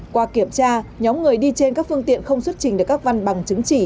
qua kiểm tra nhóm người đi trên các phương tiện không xuất trình được các văn bằng chứng chỉ